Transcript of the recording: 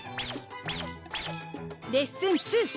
レッスン２！